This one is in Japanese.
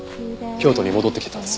京都に戻ってきてたんです。